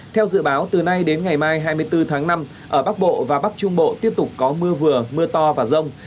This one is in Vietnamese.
theo dự báo từ nay đến ngày mai hai mươi bốn tháng năm ở bắc bộ và bắc trung bộ tiếp tục có mưa vừa mưa to và rông